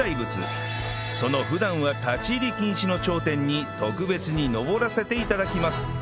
その普段は立ち入り禁止の頂点に特別に上らせて頂きます